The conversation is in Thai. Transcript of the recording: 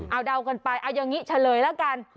เอาเดากันไปเอาอย่างนี้เฉลยแล้วกัน